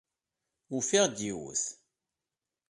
Ufiɣ-d yiwet.